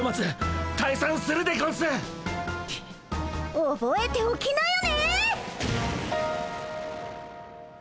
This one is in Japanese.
おぼえておきなよね！